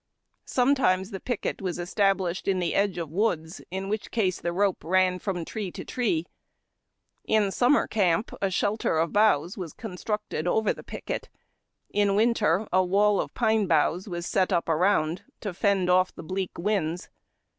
Sometimes the picket was established in the edge of woods, in which case the rope ran from tree to tree. In summer camp a shelter of boughs was constructed over the picket. In winter, a wall of pine boughs was set up around, to fend off bleak winds.